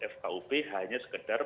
fkub hanya sekedar